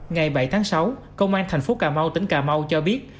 ngày bảy tháng sáu công an thành phố cà mau tỉnh cà mau cho biết